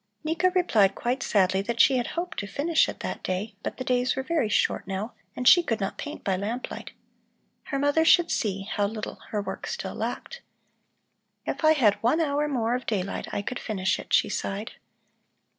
Nika replied quite sadly that she had hoped to finish it that day, but the days were very short now and she could not paint by lamp light. Her mother should see how little her work still lacked. "If I had one hour more of daylight, I could finish it," she sighed.